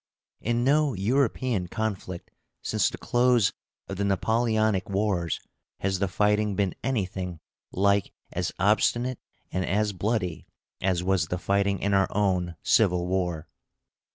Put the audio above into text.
In no European conflict since the close of the Napoleonic wars has the fighting been anything like as obstinate and as bloody as was the fighting in our own Civil War.